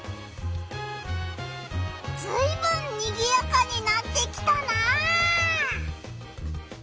ずいぶんにぎやかになってきたな！